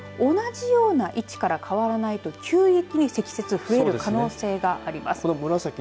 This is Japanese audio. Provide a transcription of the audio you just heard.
同じような位置から変わらないと急激に積雪増える可能性があります。